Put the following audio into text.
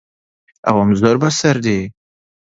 ئەوەم زۆر بەسەر دێت.